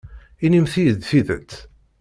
Inimt-iyi-d tidet.